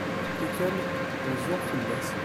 Tikkal, rezzuɣ fell-as.